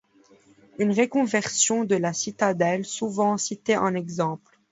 Une reconversion de la Citadelle souvent citée en exemple.